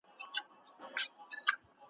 زموږ كوڅې ته به حتماً وي غله راغلي `